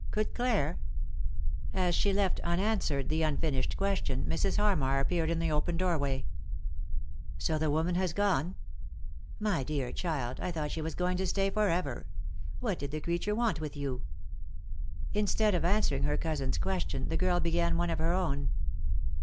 Could Clare ? As she left unanswered the unfinished question Mrs. Harmar appeared in the open doorway. " So the woman has gone ] My dear child, I thought she was going to stay for ever. What did the creature want with you ?" Instead of answering her cousin's question the girl began one of her own.